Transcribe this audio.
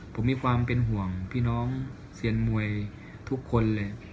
ผมมีความเป็นห่วงพี่น้องเซียนมวยทุกคนเลย